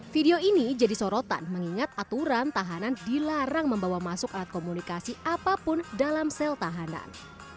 video ini jadi sorotan mengingat aturan tahanan dilarang membawa masuk alat komunikasi apapun dalam sel tahanan